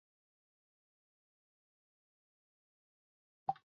乾隆壬子闰四月二十八日生。